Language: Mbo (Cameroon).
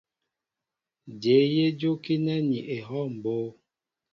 Jéé yé jókínέ ní ehɔw mbó.